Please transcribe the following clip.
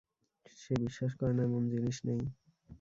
সে বিশ্বাস করে না এমন জিনিস নেই।